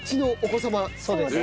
そうです。